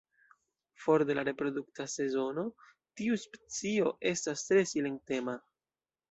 For de la reprodukta sezono tiu specio estas tre silentema.